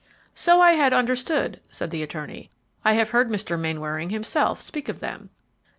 "So I had understood," said the attorney; "I have heard Mr. Mainwaring himself speak of them."